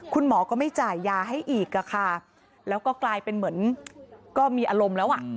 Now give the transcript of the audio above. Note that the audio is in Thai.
คุณหมอก็ไม่จ่ายยาให้อีกอะค่ะแล้วก็กลายเป็นเหมือนก็มีอารมณ์แล้วอ่ะ